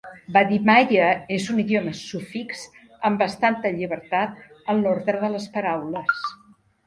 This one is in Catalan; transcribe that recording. Badimaya és un idioma sufix amb bastanta llibertat en l'ordre de les paraules.